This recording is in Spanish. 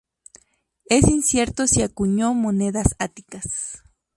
Es incierto si acuñó monedas áticas.